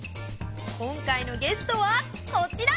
今回のゲストはこちら！